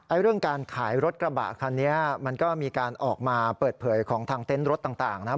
เรื่องการขายรถกระบะคันนี้มันก็มีการออกมาเปิดเผยของทางเต็นต์รถต่างนะครับ